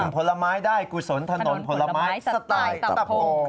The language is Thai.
ผลไม้ได้กุศลถนนผลไม้สไตล์ตะโพ